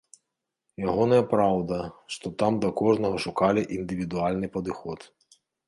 Ягоная праўда, што там да кожнага шукалі індывідуальны падыход.